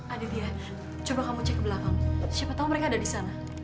aditya coba kamu cek ke belakang siapa tahu mereka ada di sana